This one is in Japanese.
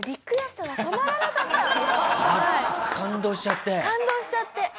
あっ感動しちゃって？